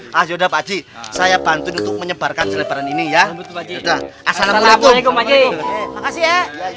ya sudah pakcik saya bantu untuk menyebarkan selebaran ini ya assalamualaikum makasih ya